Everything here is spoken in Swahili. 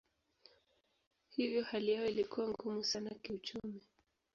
Hivyo hali yao ilikuwa ngumu sana kiuchumi.